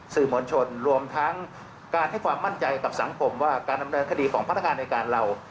สื่อมวลชนรวมทั้งการให้ความมั่นใจกับสังคมว่าการดำเนินคดีของพนักงานในการเรา